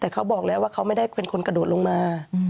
แต่เขาบอกแล้วว่าเขาไม่ได้เป็นคนกระโดดลงมา